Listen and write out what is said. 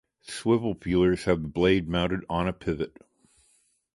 Swivel peelers have the blade mounted on a pivot.